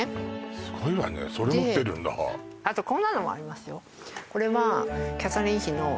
すごいわねそれ持ってるんだであとこんなのもありますよ